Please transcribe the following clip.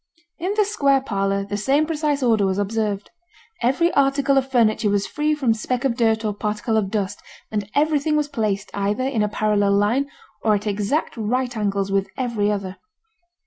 In the square parlour the same precise order was observed. Every article of furniture was free from speck of dirt or particle of dust; and everything was placed either in a parallel line, or at exact right angles with every other.